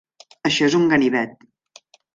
Això és un ganivet!